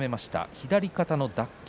左肩の脱臼。